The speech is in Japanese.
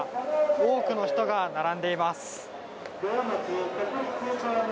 多くの人が並んでいます。